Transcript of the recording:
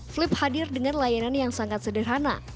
flip hadir dengan layanan yang sangat sederhana